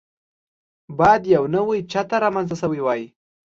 باید یو نوی چتر رامنځته شوی وای.